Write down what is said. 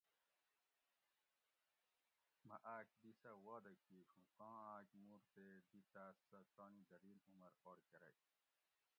مہ آۤک دی سہۤ وعدہ کِیش اُوں کاں آۤک مُور تے دی تاۤس سہ تانی دریل عمر اوڑ کرئ